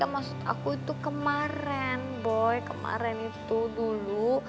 maksud aku itu kemaren boy kemaren itu dulu